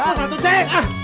apus satu ceng